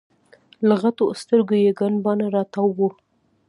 له غټو سترګو یي ګڼ باڼه راتاو وو